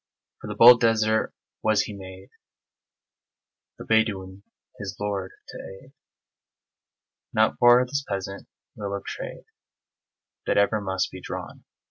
For the bold Desert was he made, The Bedouin, his lord, to aid, Not for this peasant wheel of trade That ever must be drawn.